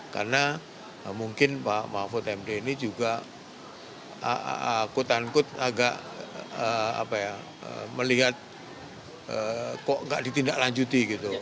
karena mungkin pak mahfud md ini juga akut ankut agak melihat kok nggak ditindak lanjuti gitu